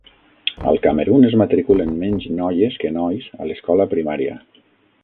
Al Camerun es matriculen menys noies que nois a l'escola primària.